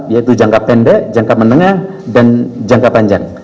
yaitu jangka pendek jangka menengah dan jangka panjang